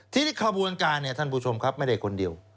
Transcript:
ทีนี้ขบวนการเนี่ยท่านผู้ชมครับไม่ได้คนเดียว